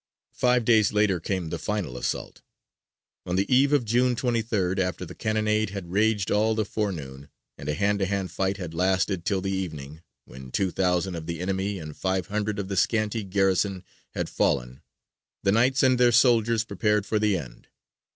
Five days later came the final assault. On the eve of June 23rd, after the cannonade had raged all the forenoon, and a hand to hand fight had lasted till the evening, when two thousand of the enemy and five hundred of the scanty garrison had fallen, the Knights and their soldiers prepared for the end.